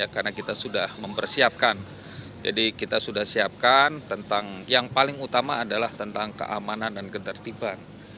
karena kita sudah mempersiapkan jadi kita sudah siapkan tentang yang paling utama adalah tentang keamanan dan ketertiban